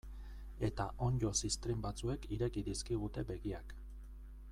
Eta onddo ziztrin batzuek ireki dizkigute begiak.